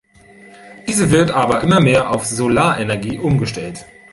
Diese wird aber immer mehr auf Solarenergie umgestellt.